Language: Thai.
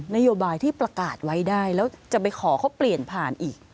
นโยบายที่ประกาศไว้ได้แล้วจะไปขอเขาเปลี่ยนผ่านอีก